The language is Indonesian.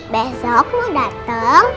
besok mau dateng